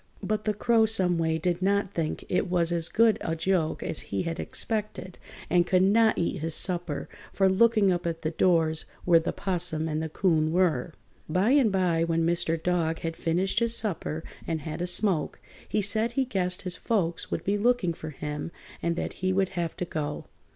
But the Crow some way did not think it was as good a joke as he had expected and could not eat his supper for looking up at the doors where the 'Possum and the 'Coon were. By and by, when Mr. Dog had finished his supper and had a smoke, he said he guessed his folks would be looking for him and that he would have to go.